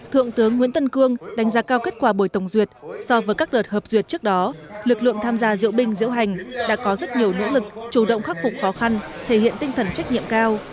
thượng tướng nguyễn tân cương đánh giá cao kết quả buổi tổng duyệt so với các đợt hợp duyệt trước đó lực lượng tham gia diễu binh diễu hành đã có rất nhiều nỗ lực chủ động khắc phục khó khăn thể hiện tinh thần trách nhiệm cao